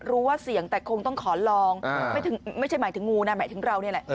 ว่าเสี่ยงแต่คงต้องขอลองไม่ใช่หมายถึงงูนะหมายถึงเรานี่แหละ